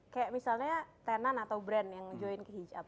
kayak misalnya tenan atau brand yang join ke hijab